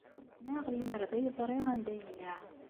Mennaɣ lemmer d ay ẓriɣ anda yella!